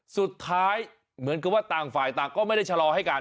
เหมือนกับว่าต่างฝ่ายต่างก็ไม่ได้ชะลอให้กัน